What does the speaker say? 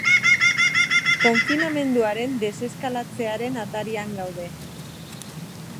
Konfinamenduaren deseskalatzearen atarian gaude.